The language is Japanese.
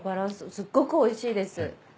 すっごく美味しいです。